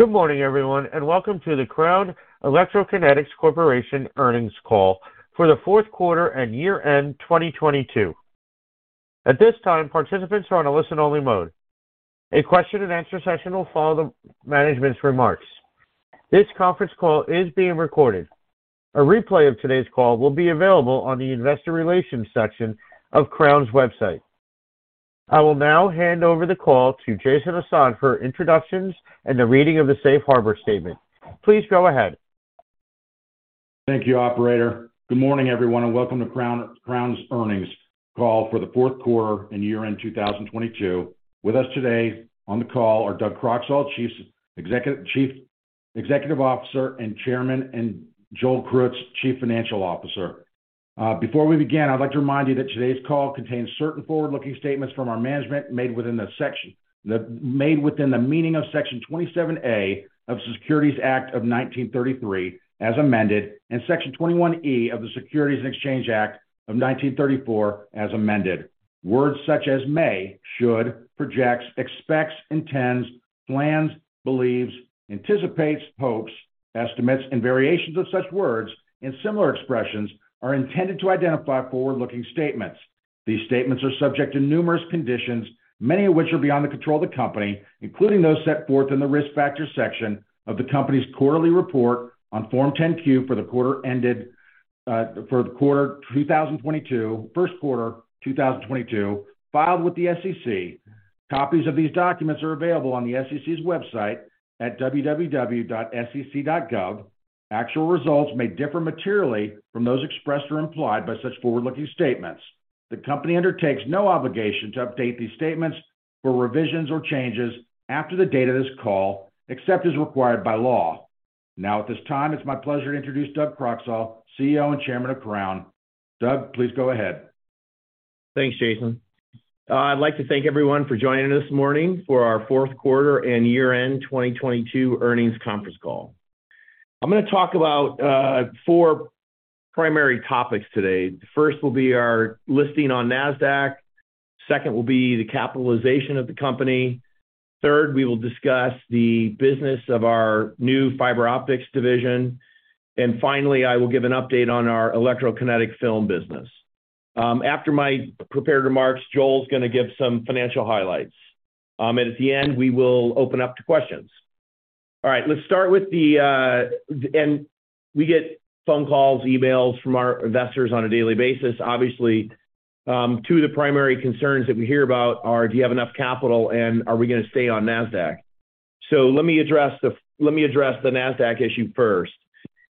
Good morning, everyone, welcome to the Crown Electrokinetics Corp. earnings call for the Q4 and year-end 2022. At this time, participants are on a listen-only mode. A question and answer session will follow the management's remarks. This conference call is being recorded. A replay of today's call will be available on the investor relations section of Crown's website. I will now hand over the call to Jason Assad for introductions and the reading of the safe harbor statement. Please go ahead. Thank you, operator. Good morning, everyone, and welcome to Crown's earnings call for the Q4 and year-end 2022. With us today on the call are Doug Croxall, Chief Executive Officer and Chairman, and Joel Krutz, Chief Financial Officer. Before we begin, I'd like to remind you that today's call contains certain forward-looking statements from our management made within the meaning of Section 27A of the Securities Act of 1933, as amended, and Section 21E of the Securities Exchange Act of 1934, as amended. Words such as may, should, projects, expects, intends, plans, believes, anticipates, hopes, estimates, and variations of such words and similar expressions are intended to identify forward-looking statements. These statements are subject to numerous conditions, many of which are beyond the control of the company, including those set forth in the Risk Factors section of the company's quarterly report on Form 10-Q for the quarter ended, Q1 2022, filed with the SEC. Copies of these documents are available on the SEC's website at www.sec.gov. Actual results may differ materially from those expressed or implied by such forward-looking statements. The company undertakes no obligation to update these statements for revisions or changes after the date of this call, except as required by law. Now at this time, it's my pleasure to introduce Doug Croxall, CEO and Chairman of Crown. Doug, please go ahead. Thanks, Jason. I'd like to thank everyone for joining this morning for our Q4 and year-end 2022 earnings conference call. I'm gonna talk about four primary topics today. The first will be our listing on Nasdaq. Second will be the capitalization of the company. Third, we will discuss the business of our new Fiber Optics division. Finally, I will give an update on our electrokinetic film business. After my prepared remarks, Joel's gonna give some financial highlights. At the end, we will open up to questions. All right, we get phone calls, emails from our investors on a daily basis. Obviously, two of the primary concerns that we hear about are, do you have enough capital and are we gonna stay on Nasdaq? Let me address the Nasdaq issue first.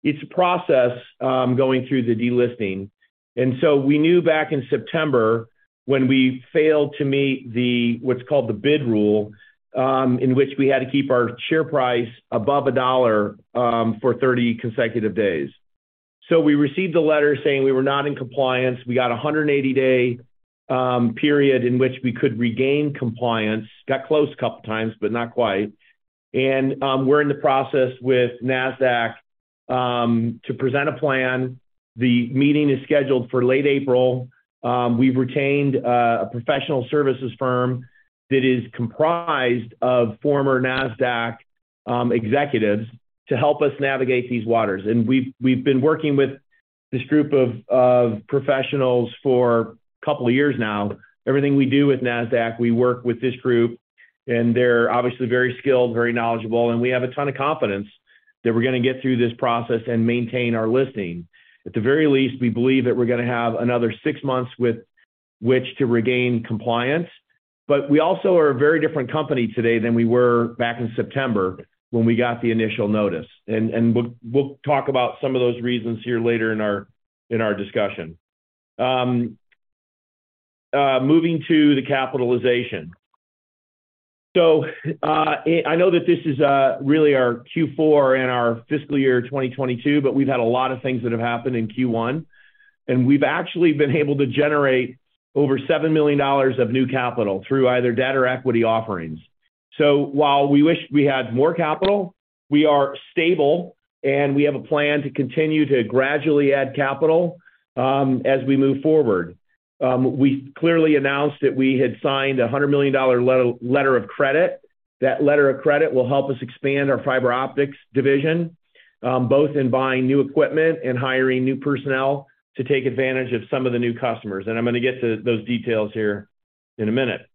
It's a process, going through the delisting. We knew back in September when we failed to meet the what's called the bid price rule, in which we had to keep our share price above $1 for 30 consecutive days. We received a letter saying we were not in compliance. We got a 180-day period in which we could regain compliance. Got close a couple times, but not quite. We're in the process with Nasdaq to present a plan. The meeting is scheduled for late April. We've retained a professional services firm that is comprised of former Nasdaq executives to help us navigate these waters. We've been working with this group of professionals for a couple of years now. Everything we do with Nasdaq, we work with this group, and they're obviously very skilled, very knowledgeable, and we have a ton of confidence that we're gonna get through this process and maintain our listing. At the very least, we believe that we're gonna have another six months with which to regain compliance. We also are a very different company today than we were back in September when we got the initial notice. We'll talk about some of those reasons here later in our discussion. Moving to the capitalization. I know that this is really our Q4 and our fiscal year 2022, but we've had a lot of things that have happened in Q1, and we've actually been able to generate over $7 million of new capital through either debt or equity offerings. While we wish we had more capital, we are stable, and we have a plan to continue to gradually add capital as we move forward. We clearly announced that we had signed a $100 million letter of credit. That letter of credit will help us expand our Fiber Optics division, both in buying new equipment and hiring new personnel to take advantage of some of the new customers. I'm gonna get to those details here in a minute.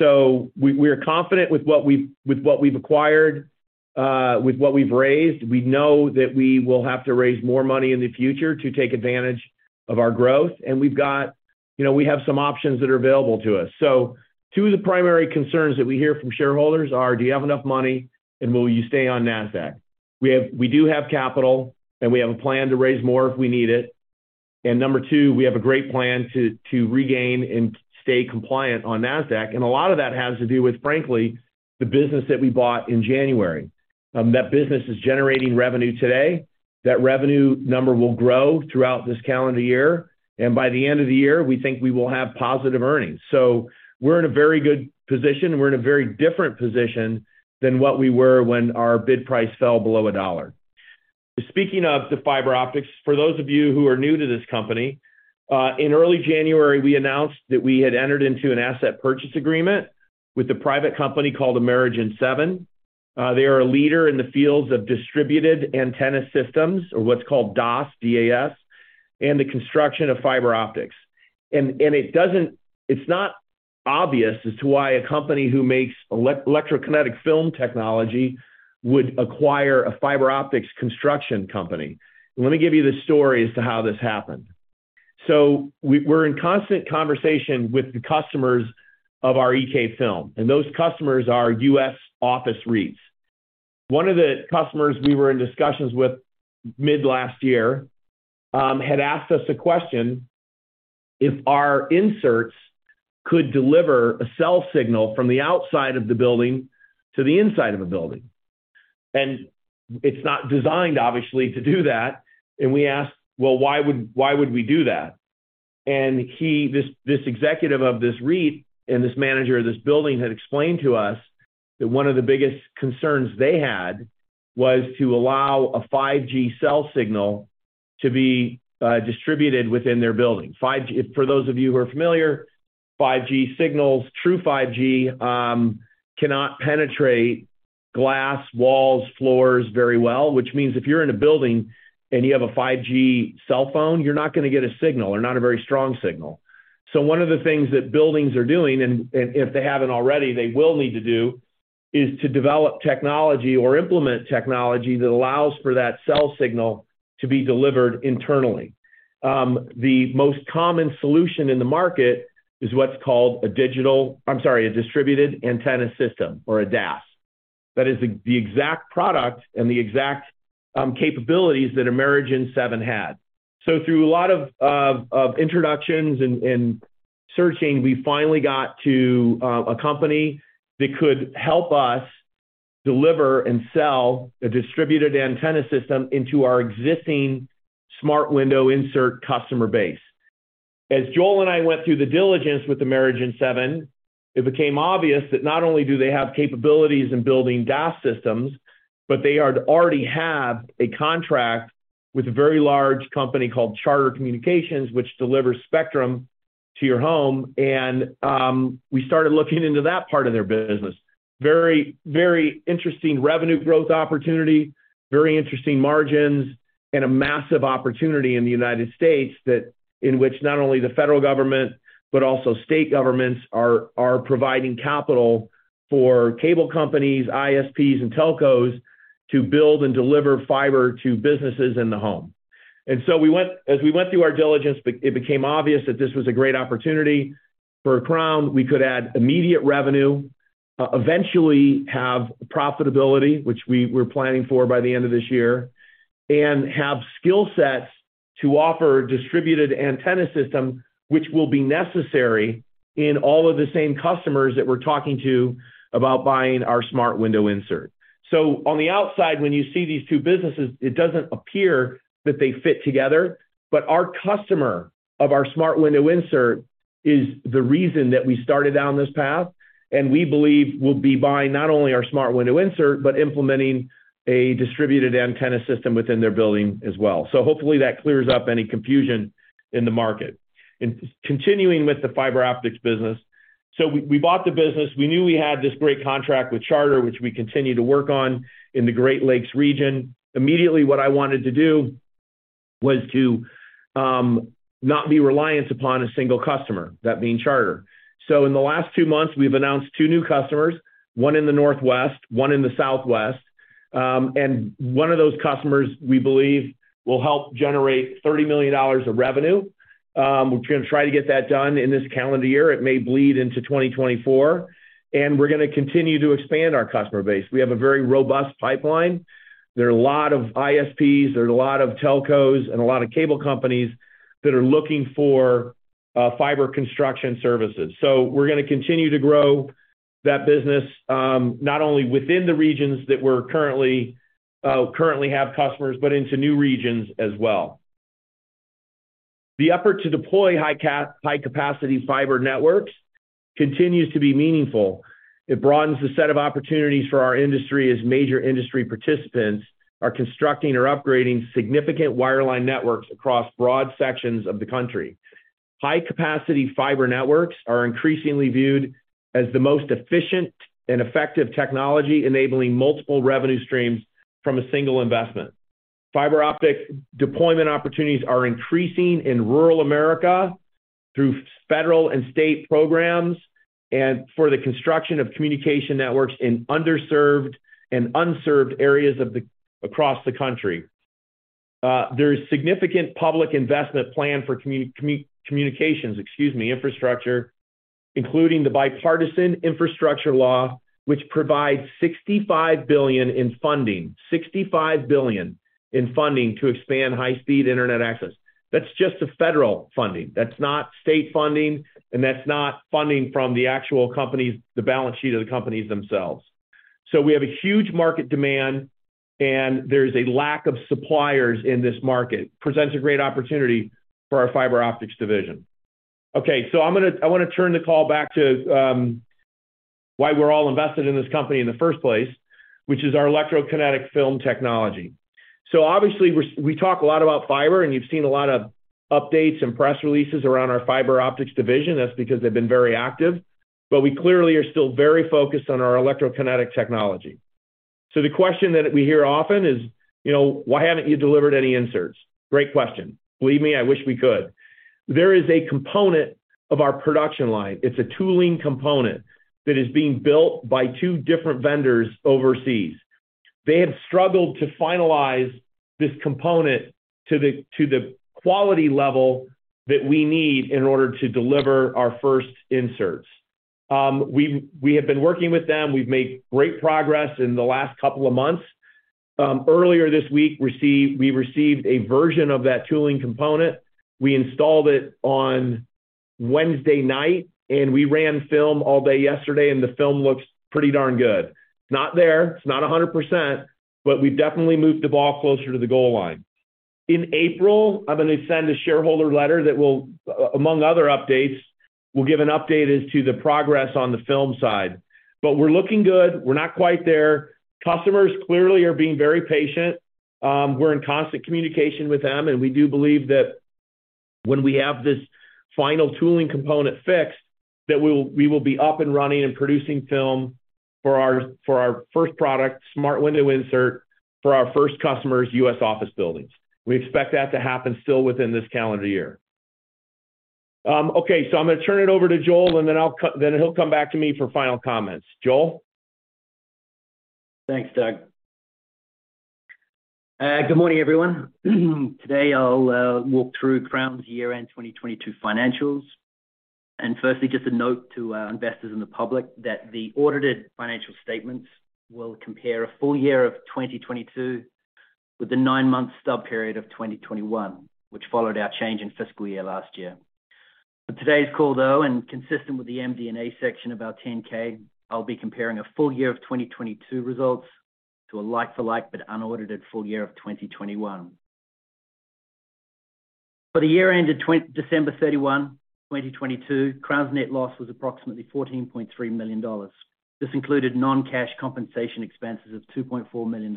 We're confident with what we've acquired, with what we've raised. We know that we will have to raise more money in the future to take advantage of our growth. We have, you know, some options that are available to us. Two of the primary concerns that we hear from shareholders are, do you have enough money, and will you stay on Nasdaq? We have, we do have capital, and we have a plan to raise more if we need it. Number two, we have a great plan to regain and stay compliant on Nasdaq. A lot of that has to do with, frankly, the business that we bought in January. That business is generating revenue today. That revenue number will grow throughout this calendar year. By the end of the year, we think we will have positive earnings. We're in a very good position. We're in a very different position than what we were when our bid price fell below $1. Speaking of the Fiber Optics, for those of you who are new to this company, in early January, we announced that we had entered into an asset purchase agreement with a private company called Amerigen 7. They are a leader in the fields of Distributed Antenna Systems, or what's called DAS, D-A-S, and the construction of fiber optics. It's not obvious as to why a company who makes electrokinetic film technology would acquire a fiber optics construction company. Let me give you the story as to how this happened. We're in constant conversation with the customers of our EK Film, and those customers are U.S. office REITs. One of the customers we were in discussions with mid-last year had asked us a question if our inserts could deliver a cell signal from the outside of the building to the inside of a building. It's not designed, obviously, to do that. We asked, well, why would we do that? He, this executive of this REIT and this manager of this building had explained to us that one of the biggest concerns they had was to allow a 5G cell signal to be distributed within their building. 5G. For those of you who are familiar, 5G signals, true 5G, cannot penetrate glass, walls, floors very well, which means if you're in a building and you have a 5G cell phone, you're not gonna get a signal or not a very strong signal. One of the things that buildings are doing, and if they haven't already, they will need to do, is to develop technology or implement technology that allows for that cell signal to be delivered internally. The most common solution in the market is what's called a Distributed Antenna System or a DAS. That is the exact product and the exact capabilities that Amerigen 7 had. Through a lot of introductions and searching, we finally got to a company that could help us deliver and sell a Distributed Antenna System into our existing Smart Window Insert customer base. As Joel and I went through the diligence with Amerigen 7, it became obvious that not only do they have capabilities in building DAS systems, but they already have a contract with a very large company called Charter Communications, which delivers Spectrum to your home. We started looking into that part of their business. Very, very interesting revenue growth opportunity, very interesting margins, and a massive opportunity in the United States that in which not only the federal government, but also state governments are providing capital for cable companies, ISPs, and telcos to build and deliver fiber to businesses in the home. As we went through our diligence, it became obvious that this was a great opportunity. For Crown, we could add immediate revenue, eventually have profitability, which we're planning for by the end of this year, and have skill sets to offer Distributed Antenna System, which will be necessary in all of the same customers that we're talking to about buying our Smart Window Insert. On the outside, when you see these two businesses, it doesn't appear that they fit together. Our customer of our Smart Window Insert is the reason that we started down this path, and we believe will be buying not only our Smart Window Insert, but implementing a Distributed Antenna System within their building as well. Hopefully that clears up any confusion in the market. Continuing with the Fiber Optics business. We bought the business. We knew we had this great contract with Charter, which we continue to work on in the Great Lakes region. Immediately, what I wanted to do was to not be reliant upon a single customer, that being Charter. In the last two months, we've announced two new customers, one in the Northwest, one in the Southwest. One of those customers, we believe, will help generate $30 million of revenue. We're gonna try to get that done in this calendar year. It may bleed into 2024. We're gonna continue to expand our customer base. We have a very robust pipeline. There are a lot of ISPs, there are a lot of telcos, and a lot of cable companies that are looking for fiber construction services. We're gonna continue to grow that business, not only within the regions that we're currently have customers, but into new regions as well. The effort to deploy high-capacity fiber networks continues to be meaningful. It broadens the set of opportunities for our industry as major industry participants are constructing or upgrading significant wireline networks across broad sections of the country. High-capacity fiber networks are increasingly viewed as the most efficient and effective technology enabling multiple revenue streams from a single investment. Fiber optic deployment opportunities are increasing in rural America through federal and state programs and for the construction of communication networks in underserved and unserved areas across the country. There is significant public investment plan for communications, excuse me, infrastructure, including the bipartisan infrastructure law, which provides $65 billion in funding. $65 billion in funding to expand high-speed internet access. That's just the federal funding. That's not state funding, and that's not funding from the actual companies, the balance sheet of the companies themselves. We have a huge market demand, and there's a lack of suppliers in this market. Presents a great opportunity for our Fiber Optics division. Okay. I wanna turn the call back to why we're all invested in this company in the first place, which is our electrokinetic film technology. Obviously we talk a lot about fiber, and you've seen a lot of updates and press releases around our Fiber Optics division. That's because they've been very active. We clearly are still very focused on our electrokinetic technology. The question that we hear often is, you know, "Why haven't you delivered any inserts?" Great question. Believe me, I wish we could. There is a component of our production line, it's a tooling component, that is being built by two different vendors overseas. They have struggled to finalize this component to the quality level that we need in order to deliver our first inserts. We have been working with them. We've made great progress in the last couple of months. Earlier this week, we received a version of that tooling component. We installed it on Wednesday night. We ran film all day yesterday. The film looks pretty darn good. It's not there. It's not 100%, we've definitely moved the ball closer to the goal line. In April, I'm gonna send a shareholder letter that will, among other updates, will give an update as to the progress on the film side. We're looking good. We're not quite there. Customers clearly are being very patient. We're in constant communication with them. We do believe that when we have this final tooling component fixed, that we will be up and running and producing film for our first product, Smart Window Insert, for our first customers, U.S. Office Buildings. We expect that to happen still within this calendar year. Okay, I'm gonna turn it over to Joel. He'll come back to me for final comments. Joel? Thanks, Doug. Good morning, everyone. Today, I'll walk through Crown's year-end 2022 financials. Firstly, just a note to our investors and the public that the audited financial statements will compare a full year of 2022 with the nine-month stub period of 2021, which followed our change in fiscal year last year. For today's call, though, and consistent with the MD&A section of our 10-K, I'll be comparing a full year of 2022 results to a like-to-like but unaudited full year of 2021. For the year ended December 31, 2022, Crown's net loss was approximately $14.3 million. This included non-cash compensation expenses of $2.4 million.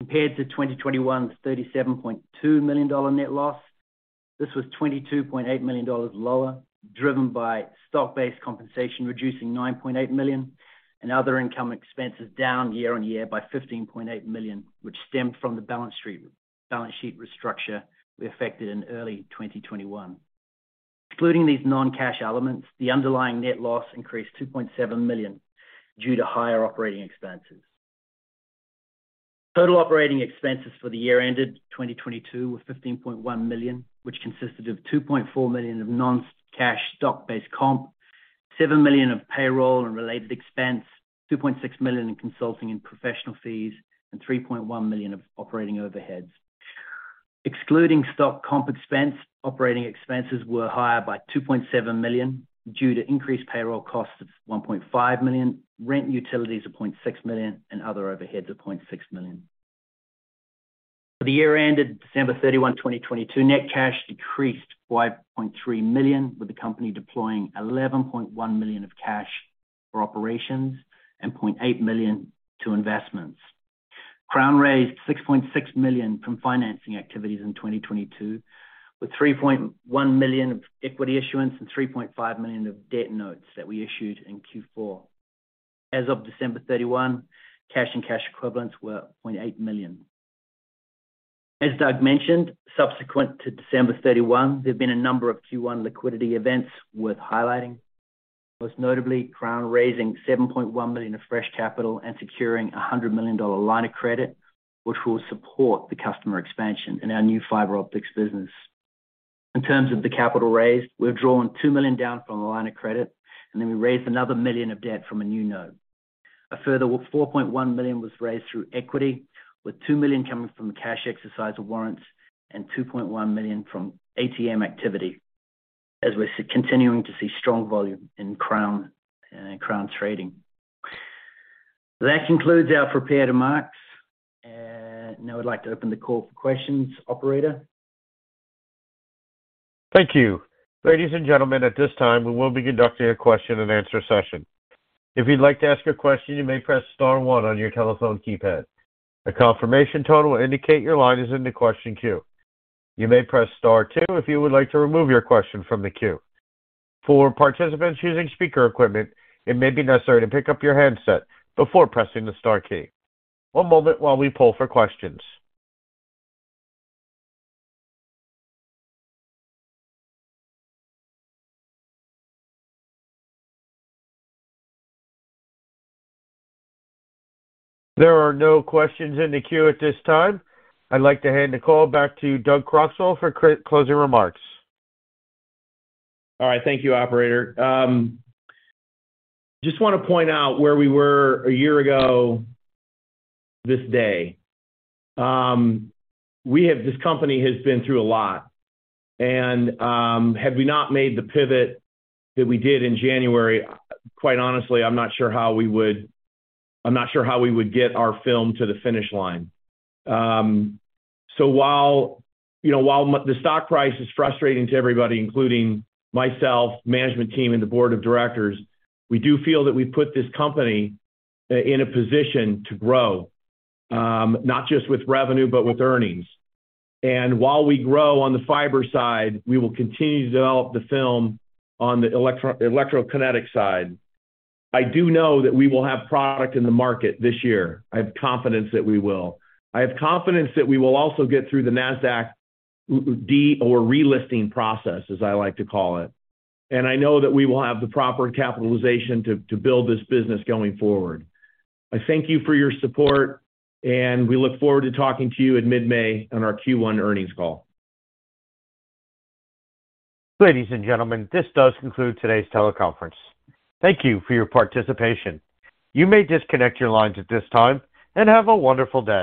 Compared to 2021's $37.2 million net loss, this was $22.8 million lower, driven by stock-based compensation, reducing $9.8 million, and other income expenses down year-over-year by $15.8 million, which stemmed from the balance sheet restructure we affected in early 2021. Excluding these non-cash elements, the underlying net loss increased $2.7 million due to higher operating expenses. Total operating expenses for the year ended 2022 were $15.1 million, which consisted of $2.4 million of non-cash stock-based comp, $7 million of payroll and related expense, $2.6 million in consulting and professional fees, and $3.1 million of operating overheads. Excluding stock comp expense, operating expenses were higher by $2.7 million due to increased payroll costs of $1.5 million, rent and utilities of $0.6 million, and other overheads of $0.6 million. For the year ended December 31, 2022, net cash decreased $5.3 million, with the company deploying $11.1 million of cash for operations and $0.8 million to investments. Crown raised $6.6 million from financing activities in 2022, with $3.1 million of equity issuance and $3.5 million of debt notes that we issued in Q4. As of December 31, cash and cash equivalents were $0.8 million. As Doug mentioned, subsequent to December 31, there have been a number of Q1 liquidity events worth highlighting. Most notably, Crown raising $7.1 million of fresh capital and securing a $100 million line of credit, which will support the customer expansion in our new fiber optics business. In terms of the capital raised, we've drawn $2 million down from the line of credit, we raised another $1 million of debt from a new note. A further $4.1 million was raised through equity, with $2 million coming from the cash exercise of warrants and $2.1 million from ATM activity, as we're continuing to see strong volume in Crown trading. That concludes our prepared remarks. Now I'd like to open the call for questions. Operator? Thank you. Ladies and gentlemen, at this time, we will be conducting a question and answer session. If you'd like to ask a question, you may press star one on your telephone keypad. A confirmation tone will indicate your line is in the question queue. You may press star two if you would like to remove your question from the queue. For participants using speaker equipment, it may be necessary to pick up your handset before pressing the star key. One moment while we poll for questions. There are no questions in the queue at this time. I'd like to hand the call back to Doug Croxall for closing remarks. All right. Thank you, operator. Just wanna point out where we were a year ago this day. This company has been through a lot. Had we not made the pivot that we did in January, quite honestly, I'm not sure how we would get our film to the finish line. While, you know, while the stock price is frustrating to everybody, including myself, management team, and the board of directors, we do feel that we've put this company in a position to grow, not just with revenue, but with earnings. While we grow on the fiber side, we will continue to develop the film on the electrokinetic side. I do know that we will have product in the market this year. I have confidence that we will. I have confidence that we will also get through the Nasdaq D or relisting process, as I like to call it. I know that we will have the proper capitalization to build this business going forward. I thank you for your support, and we look forward to talking to you in mid-May on our Q1 earnings call. Ladies and gentlemen, this does conclude today's teleconference. Thank you for your participation. You may disconnect your lines at this time, and have a wonderful day.